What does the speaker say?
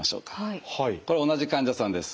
これは同じ患者さんです。